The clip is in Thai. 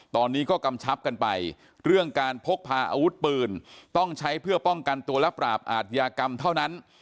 ตอนนี้ก็กำชับกันไปเรื่องการพกพาอาวุธปืนต้องใช้เพื่อป้องกันตัวและปราบอาทยากรรมเท่านั้น